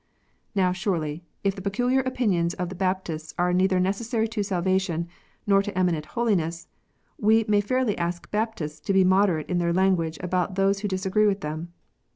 Now, surely, if the peculiar opinions of the Baptists are neither necessary to salvation nor to eminent holiness, we may fairly ask Baptists to be moderate in their language about those who disagree with them.